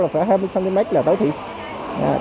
là phải hai mươi cm là tối thiệt